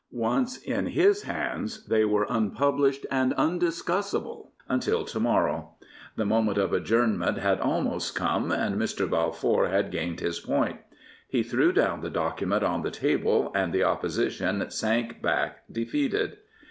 Once in his hands they were unpublished and undiscussable until to morrow. The moment of adjournment had almost come, and Mr. Balfour had gamed his point. He threw down the document on the table, and the Oppo sition sank back defeated.